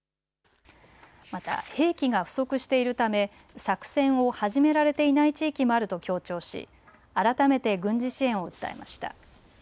また兵器が不足しているため作戦を始められていない地域もあると強調し改めて軍事支援を訴えました。